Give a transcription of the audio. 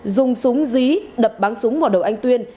dùng súng dí đập bắn súng vào đầu anh tuyên